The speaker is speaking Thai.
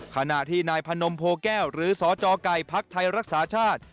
ขณะที่นายพนมโพแก้วหรือสจไก่พักไทยรักษาชาติ